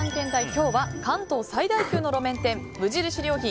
今日は、関東最大級の路面店無印良品